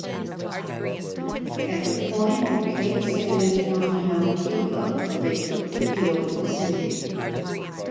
At the point of Cape San Antonio, Cuba, they took to the open sea.